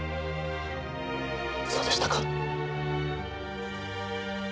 そうでしたか。